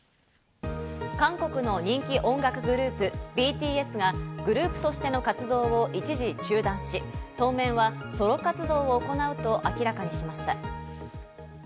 韓国の人気音楽グループＢＴＳがグループとしての活動を一時中断し、当面はソロ活動を行うと明らかにしました。